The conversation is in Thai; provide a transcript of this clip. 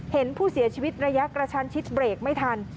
เห็นผู้เสียชีวิตระยะกระชันชิดเบรกไม่ทัน